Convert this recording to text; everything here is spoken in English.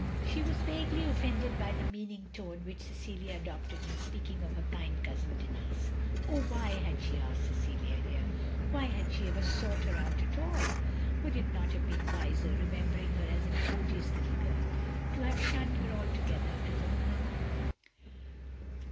She was vaguely offended by the meaning tone which Cecilia adopted in speaking of her kind cousin Denis. Oh, why had she asked Cecilia here? Why had she ever sought her out at all? Would it not have been wiser, remembering her as an odious little girl, to have shtmned her altogether as a woman?